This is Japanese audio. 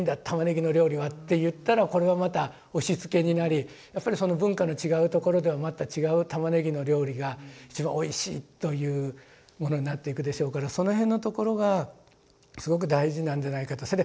玉ねぎの料理はって言ったらこれはまた押しつけになりやっぱりその文化の違うところではまた違う玉ねぎの料理が一番おいしいというものになっていくでしょうからその辺のところがすごく大事なんじゃないかと。